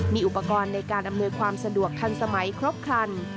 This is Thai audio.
มีอุปกรณ์ในการอำนวยความสะดวกทันสมัยครบครัน